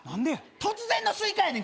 突然のスイカやねん